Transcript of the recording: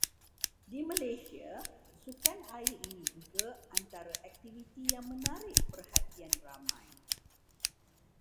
Di Malaysia sukan air ini juga antara aktiviti yang menarik perhatian ramai.